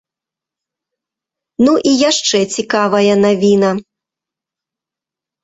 Ну і яшчэ цікавая навіна.